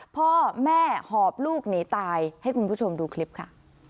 พ่อแม่หอบลูกหนีตายให้คุณผู้ชมดูคลิปค่ะ